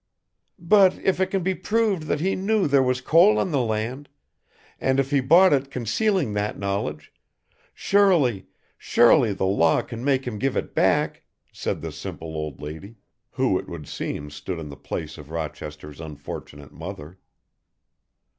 "But if it can be proved that he knew there was coal in the land, and if he bought it concealing that knowledge, surely, surely the law can make him give it back," said the simple old lady, who it would seem stood in the place of Rochester's unfortunate mother.